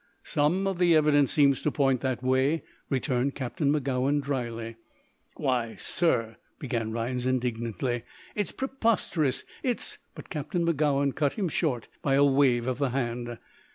"Some of the evidence seems to point that way," returned Captain Magowan, dryly. "Why, sir," began Rhinds, indignantly, "it's preposterous. It's " But Captain Magowan cut him short by a wave of the hand.